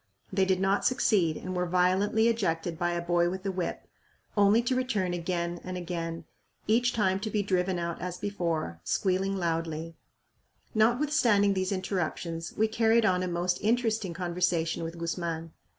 They did not succeed and were violently ejected by a boy with a whip; only to return again and again, each time to be driven out as before, squealing loudly. Notwithstanding these interruptions, we carried on a most interesting conversation with Guzman.